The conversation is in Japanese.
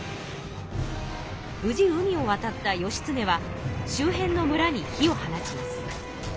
無事海を渡った義経は周辺の村に火を放ちます。